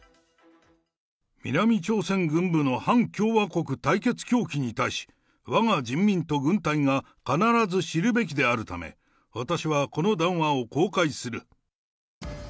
南朝鮮軍部の反共和国対決狂気に対し、わが人民と軍隊が必ず知るべきであるため、私はこの談話を公開する。